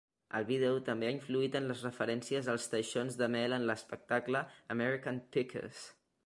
El vídeo també ha influït en les referències als teixons de mel en l'espectacle "American Pickers".